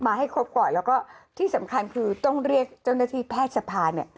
ให้ครบก่อนแล้วก็ที่สำคัญคือต้องเรียกเจ้าหน้าที่แพทย์สภาเนี่ย